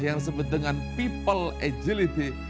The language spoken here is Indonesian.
yang disebut dengan people agility